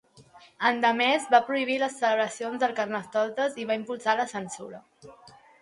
Endemés va prohibir les celebracions del carnestoltes i va impulsar la censura.